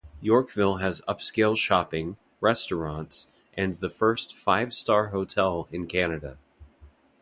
Yorkville has upscale shopping, restaurants, and the first five star hotel in Canada.